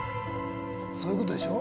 そういう事でしょ？